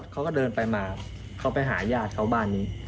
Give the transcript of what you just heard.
เขาก็เดินไปมาเขาไปหาญาติเขาบ้านนี้